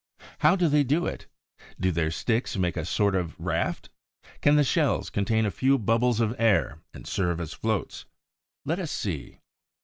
How do they do it? Do their sticks make a sort of raft? Can the shells contain a few bubbles of air and serve as floats? Let us see.